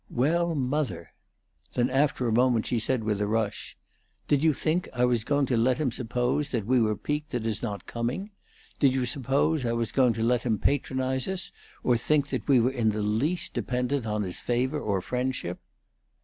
"Well, mother." Then, after a moment, she said, with a rush: "Did you think I was going to let him suppose we were piqued at his not coming? Did you suppose I was going to let him patronize us, or think that we were in the least dependent on his favor or friendship?"